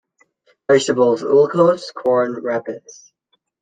Vegetables: Ullucos, corn wrappes.